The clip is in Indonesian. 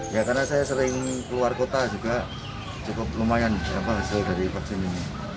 ya karena saya sering keluar kota juga cukup lumayan hasil dari vaksin ini